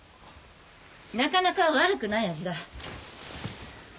なかなか悪くない味だ。